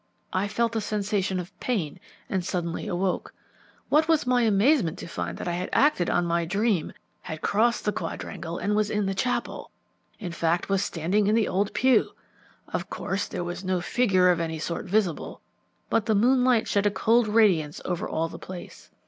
I felt a sensation of pain, and suddenly awoke. What was my amazement to find that I had acted on my dream, had crossed the quadrangle, and was in the chapel; in fact, was standing in the old pew! Of course there was no figure of any sort visible, but the moonlight shed a cold radiance over all the place.